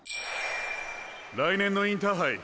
来年のインターハイ